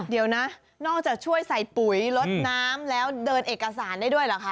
เดี๋ยวนะนอกจากช่วยใส่ปุ๋ยลดน้ำแล้วเดินเอกสารได้ด้วยเหรอคะ